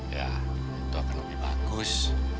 ya itu akan lebih bagus